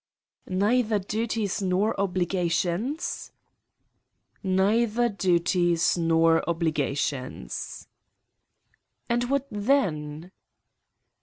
"Neither duties nor obligations?" "Neither duties nor obligations." "And what then?"